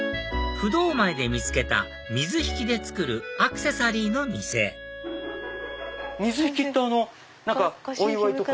不動前で見つけた水引で作るアクセサリーの店水引って何かお祝いとか。